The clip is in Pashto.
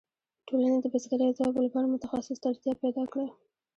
ټولنې د بزګرۍ اسبابو لپاره متخصص ته اړتیا پیدا کړه.